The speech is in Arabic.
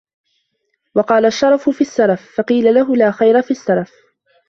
وَقَالَ الشَّرَفُ فِي السَّرَفِ ، فَقِيلَ لَهُ لَا خَيْرَ فِي السَّرَفِ